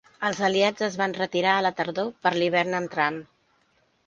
Els aliats es van retirar a la tardor per l'hivern entrant.